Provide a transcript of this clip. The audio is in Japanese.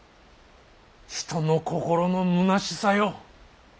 人の心のむなしさよ。